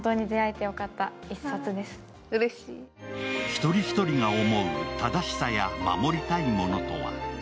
一人一人が思う、正しさや守りたいものとは。